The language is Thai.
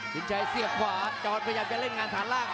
หินชัยเสียบขวาจอดไปยังไงเล่นงานฐานล่าง